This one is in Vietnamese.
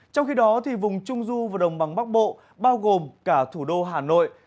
trong khi đó vùng trung du và đồng bằng bắc bộ bao gồm cả thủ đô hà nội